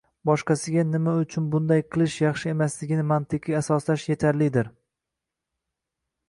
boshqasiga “nima uchun bunday qilish yaxshi emas”ligini mantiqiy asoslash yetarlidir.